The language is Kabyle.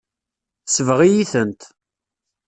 Tesbeɣ-iyi-tent.